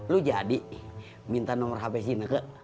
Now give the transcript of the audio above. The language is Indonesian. lo jadi minta nomor hp si enak enak